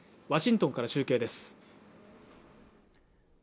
ワシントンから中継です